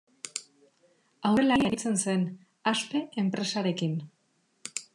Aurrelari aritzen zen, Aspe enpresarekin.